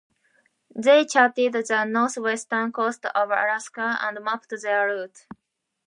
They charted the north-western coast of Alaska and mapped their route.